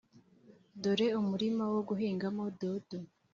dore umurima wo guhingamo dodo.